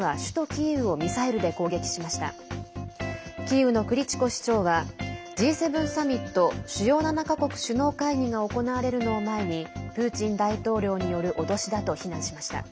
キーウのクリチコ市長はＧ７サミット＝主要７か国首脳会議が行われるのを前にプーチン大統領による脅しだと非難しました。